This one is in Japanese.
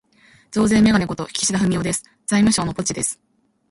増税めがね事、岸田文雄です。財務省のポチです。